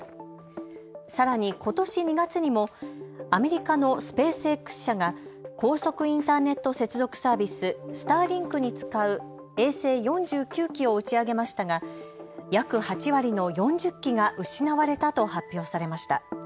さらにことし２月にもアメリカのスペースＸ社が高速インターネット接続サービス、スターリンクに使う衛星４９基を打ち上げましたが、約８割の４０基が失われたと発表されました。